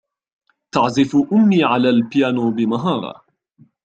تعزف أمي على البيانو بمهارة.